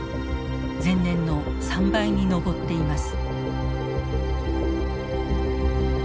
前年の３倍に上っています。